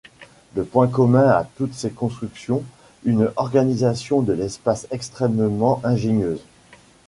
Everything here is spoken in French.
Le point commun à toutes ces constructions une organisation de l'espace extrêmement ingénieuse.